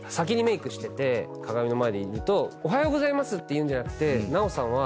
鏡の前にいると「おはようございます」って言うんじゃなくて南朋さんは。